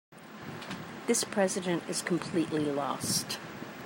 This president is completely lost.